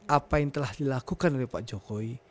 apa yang telah dilakukan oleh pak jokowi